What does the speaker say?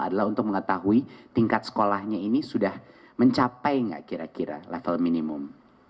adalah untuk mengetahui tingkat sekolahnya ini sudah mencapai nggak kira kira level minimum